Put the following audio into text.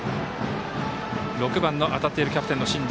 ６番の当たっているキャプテンの進藤。